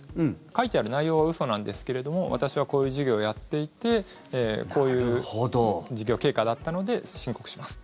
書いてある内容は嘘なんですけど私はこういう事業をやっていてこういう事業経過だったので申告します。